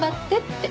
って。